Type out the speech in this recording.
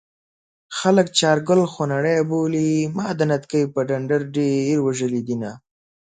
خلک چارګل خونړی بولي ما د نتکۍ په ډنډر ډېر وژلي دينه